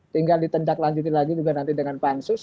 tinggal ditendak lanjutin lagi juga nanti dengan pansus